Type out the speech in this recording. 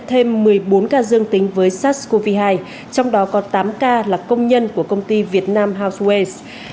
thêm một mươi bốn ca dương tính với sars cov hai trong đó có tám ca là công nhân của công ty vietnam houseways